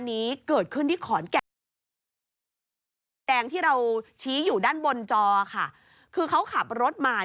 แต่ก็เมื่อกี๊จะพับจังนะ